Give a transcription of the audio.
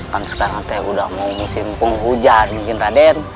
kan sekarang teh udah mau musimpung hujan mungkin raden